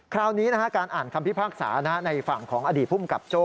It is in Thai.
คราวนี้การอ่านคำพิพากษาในฝั่งของอดีตภูมิกับโจ้